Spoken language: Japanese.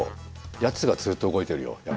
やつがずっと動いてるよやっぱ。